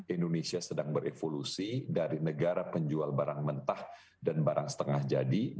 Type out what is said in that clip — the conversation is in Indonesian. indonesia sedang berevolusi dari negara penjual barang mentah dan barang setengah jadi